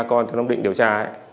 còn thế nông định điều tra